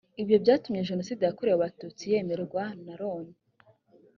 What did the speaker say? ibyo byatumye jenoside yakorewe abatutsi yemerwa na loni